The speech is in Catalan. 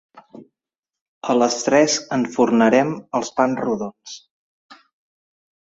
A les tres enfornarem els pans rodons.